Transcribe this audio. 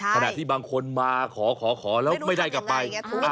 ขณะที่บางคนมาขอแล้วไม่ได้กลับไป